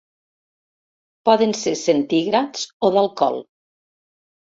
Poden ser centígrads o d'alcohol.